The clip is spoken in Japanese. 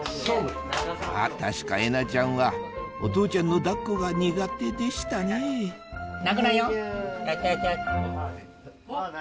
確かえなちゃんはお父ちゃんの抱っこが苦手でしたねぇよしよしよし！